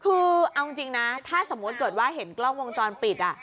คือเอาจริงนะถ้าสมมุติเกิดว่าเห็นกล้องวงจรปิด